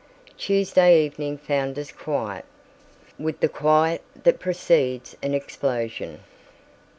Tuesday evening found us quiet, with the quiet that precedes an explosion.